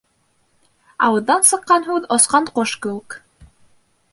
Ауыҙҙан сыҡҡан һүҙ осҡан ҡош кеүек.